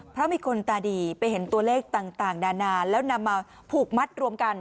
เพราะมีคนตาดีไปเห็นตัวเลขต่างนานาแล้วนำมาผูกมัดรวมกัน